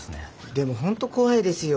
でもホント怖いですよ。